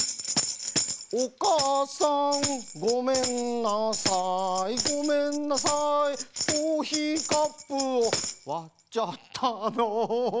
「おかあさんごめんなさい」「ごめんなさいコーヒーカップをわっちゃったの」